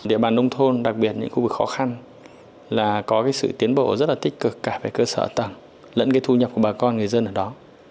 địa bàn nông thôn đặc biệt những khu vực khó khăn là có sự tiến bộ rất là tích cực cả về cơ sở tầng lẫn thu nhập của bà con người dân ở đó